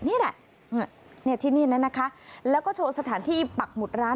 นี่แหละที่นี่นั้นนะคะแล้วก็โชว์สถานที่ปักหมุดร้าน